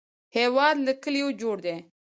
هېواد له کلیو جوړ دی